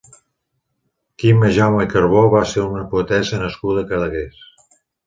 Quima Jaume i Carbo va ser una poetessa nascuda a Cadaqués.